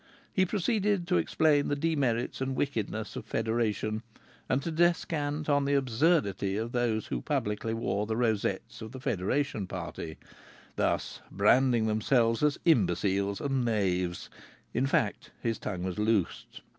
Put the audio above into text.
He proceeded to explain the demerits and wickedness of federation, and to descant on the absurdity of those who publicly wore the rosettes of the Federation party, thus branding themselves as imbeciles and knaves; in fact, his tongue was loosed.